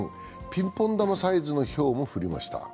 ピンポン玉サイズのひょうもふりました。